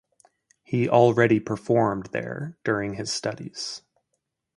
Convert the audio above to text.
He already performed there during his studies.